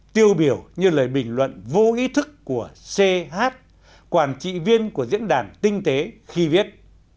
tiêu biểu như lời bình luận vô ý thức của ch quản trị viên của diễn đàn tinh tế khi viết